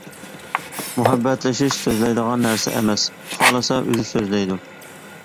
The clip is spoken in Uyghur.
مۇھەببەتلىشىش سۆزلەيدىغان نەرسە ئەمەس، خالىسا ئۆزى سۆزلەيدۇ.